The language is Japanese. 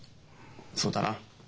そうだな。